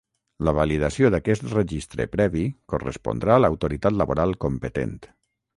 La validació d'aquest registre previ correspondrà a l'Autoritat Laboral competent.